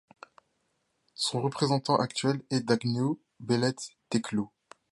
Son représentant actuel est Dagnew Belete Teklu.